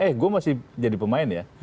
eh gue masih jadi pemanah